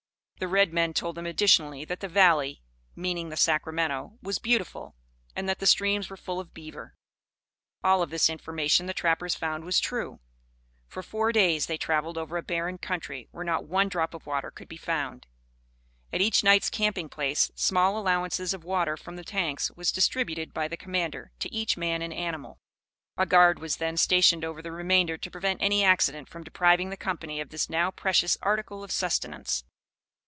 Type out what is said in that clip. The red men told them additionally that the valley (meaning the Sacramento) was beautiful, and that the streams were full of beaver. All of this information the trappers found was true. For four days they travelled over a barren country, where not one drop of water could be found. At each night's camping place, small allowances of water from the tanks was distributed by the commander to each man and animal. A guard was then stationed over the remainder to prevent any accident from depriving the company of this now precious article of sustenance.